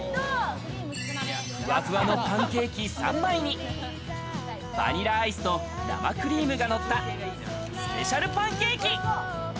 ふわふわのパンケーキ３枚にバニラアイスと生クリームがのったスペシャルパンケーキ。